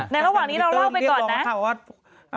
ระหว่างนี้เราเล่าไปก่อนนะ